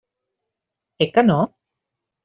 Eh que no?